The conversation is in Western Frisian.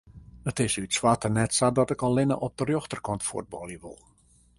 It is út soarte net sa dat ik allinne op de rjochterkant fuotbalje wol.